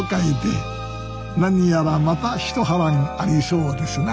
何やらまた一波乱ありそうですな